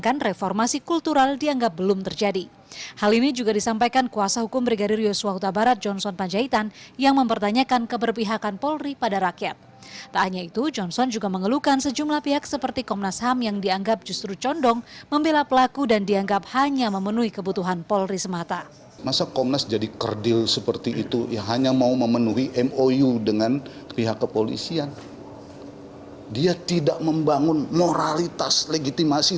hingga kini reformasi birokrasi di tubuh kepolisian ini